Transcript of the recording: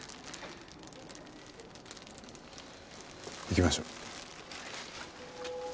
行きましょう。